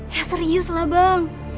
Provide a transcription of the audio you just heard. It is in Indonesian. ya serius lah bang